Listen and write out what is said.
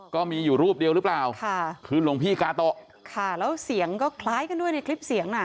ก็มีอยู่รูปเดียวหรือเปล่าค่ะคือหลวงพี่กาโตะค่ะแล้วเสียงก็คล้ายกันด้วยในคลิปเสียงน่ะ